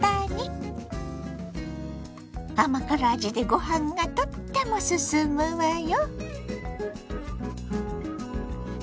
甘辛味でご飯がとってもすすむわよ。